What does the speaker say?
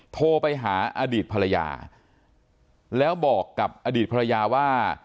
โทรไปหาอดีตภรรยาแล้วบอกกับอดีตภรรยาว่า